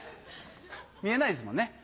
見えないですもんね。